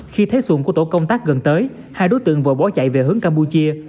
khi thấy xuống của tổ công tác gần tới hai đối tượng vội bỏ chạy về hướng campuchia